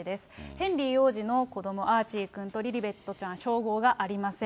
ヘンリー王子の子ども、アーチーくんとリリベットちゃん、称号がありません。